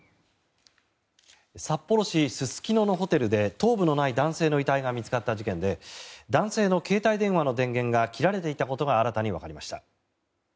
札幌市・すすきののホテルで頭部のない男性の遺体が見つかった事件で男性の携帯電話の電源が切られていたことが新たにわかりました。